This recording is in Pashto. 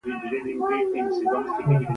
دا مېوه د خوند او ګټې له مخې مهمه ده.